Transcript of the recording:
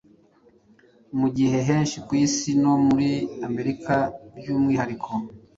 Mu gihe henshi ku isi, no muri Amerika by'umwihariko,